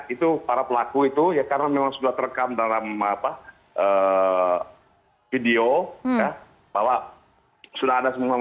itu para pelaku itu ya karena memang sudah terekam dalam apa video bahwa sudah ada semua